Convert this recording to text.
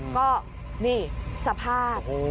ก็นี่สภาพ